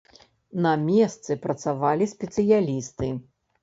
На месцы працавалі спецыялісты.